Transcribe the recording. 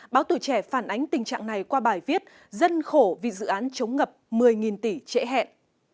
báo tuổi trẻ phản ánh tình trạng này qua bài viết dân khổ vì dự án chống ngập một mươi tỷ trễ hẹn